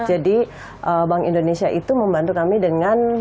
jadi bank indonesia itu membantu kami dengan